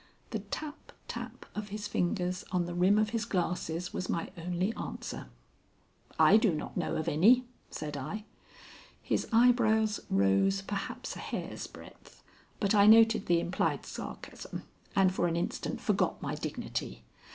The tap, tap of his fingers on the rim of his glasses was my only answer. "I do not know of any," said I. His eyebrows rose perhaps a hair's breadth, but I noted the implied sarcasm, and for an instant forgot my dignity.